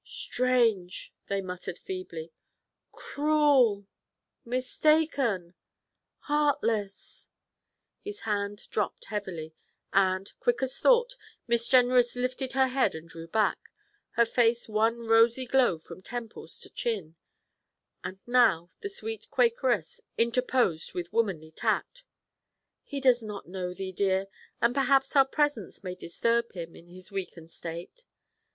'Strange,' they muttered feebly, 'cruel mistaken heartless!' His hand dropped heavily, and, quick as thought, Miss Jenrys lifted her head and drew back, her face one rosy glow from temples to chin; and now the sweet Quakeress interposed with womanly tact: 'He does not know thee, dear; and perhaps our presence may disturb him, in this weakened state.'